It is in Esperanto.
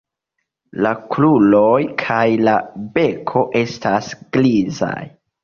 La kruroj kaj la beko estas grizaj.